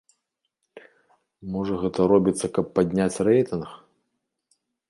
Можа гэта робіцца, каб падняць рэйтынг?